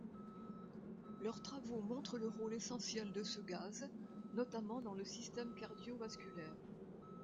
Leurs travaux montrent le rôle essentiel de ce gaz, notamment dans le système cardio-vasculaire.